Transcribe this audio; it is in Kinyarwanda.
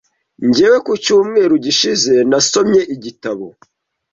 Njyewe ku cyumweru gishize nasomye igitabo.